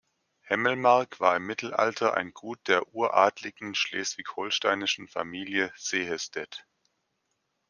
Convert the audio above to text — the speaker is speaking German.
Hemmelmark war im Mittelalter ein Gut der uradligen schleswig-holsteinischen Familie Sehestedt.